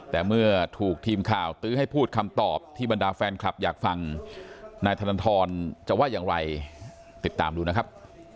แต่เมื่อถูกทีมข่าวตื้อให้พูดคำตอบที่บรรดาแฟนคลับอยากฟังนายธนทรจะว่าอย่างไรติดตามดูนะครับ